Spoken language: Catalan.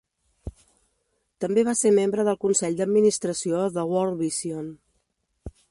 També va ser membre del consell d'administració de World Vision.